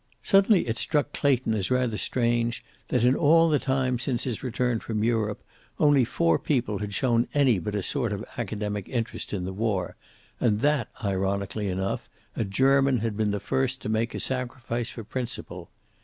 Suddenly it struck Clayton as rather strange that, in all the time since his return from Europe, only four people had shown any but a sort of academic interest in the war, and that, ironically enough, a German had been the first to make a sacrifice for principle.